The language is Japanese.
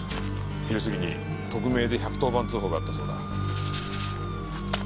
昼過ぎに匿名で１１０番通報があったそうだ。